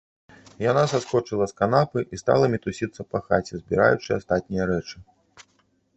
Яна саскочыла з канапы і стала мітусіцца па хаце, збіраючы астатнія рэчы.